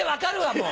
もう。